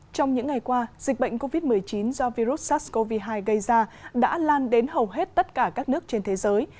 trong những ngày qua dịch bệnh covid một mươi chín do virus sars cov hai gây ra đã lan đến hầu hết tất cả các nước trên thế giới